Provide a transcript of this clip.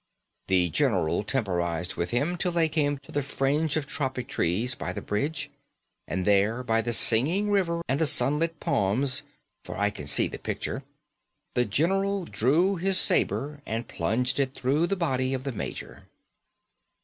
The general temporised with him till they came to the fringe of tropic trees by the bridge; and there by the singing river and the sunlit palms (for I can see the picture) the general drew his sabre and plunged it through the body of the major."